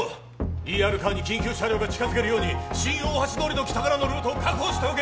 ＥＲカーに緊急車両が近づけるように新大橋通りの北からのルートを確保しておけ！